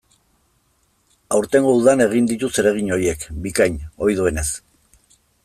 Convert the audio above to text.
Aurtengo udan egin ditu zeregin horiek, bikain, ohi duenez.